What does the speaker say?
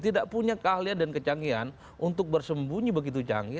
tidak punya keahlian dan kecanggihan untuk bersembunyi begitu canggih